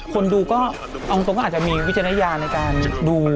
คนดูก็อาจจะมีวิจัยนรัยาณในการดู